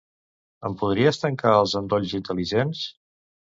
Em podries tancar els endolls intel·ligents?